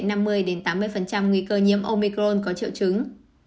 nguy cơ nhiễm omicron có triệu trứng